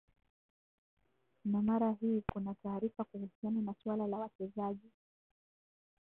na mara hii kuna taarifa kuhusiana na suala la wachezaji